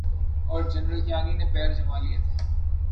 اورجنرل کیانی نے پیر جمالیے تھے۔